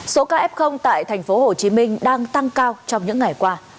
số ca f tại thành phố hồ chí minh đang tăng cao trong những ngày qua